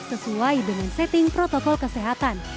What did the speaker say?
sesuai dengan setting protokol kesehatan